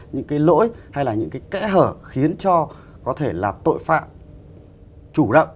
những cái lỗi hay là những cái kẽ hở khiến cho có thể là tội phạm chủ động